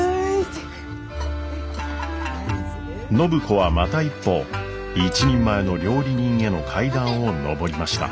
暢子はまた一歩一人前の料理人への階段を上りました。